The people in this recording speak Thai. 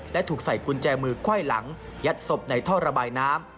และถูกใส่กุญแจมือไขว้หลังยัดศพในท่อระบายน้ำ